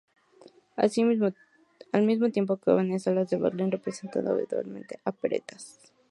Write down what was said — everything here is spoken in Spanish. Al mismo tiempo, actuaba en salas de Berlín representando habitualmente operetas.